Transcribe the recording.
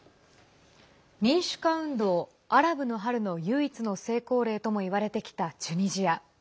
民主化運動アラブの春の唯一の成功例ともいわれてきたチュニジア。